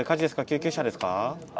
救急車ですか？